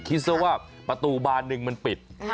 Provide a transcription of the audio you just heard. คิดซะว่าประตูบานหนึ่งมันปิด